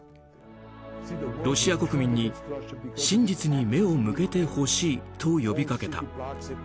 ロシア国民に、真実に目を向けてほしいと呼びかけた。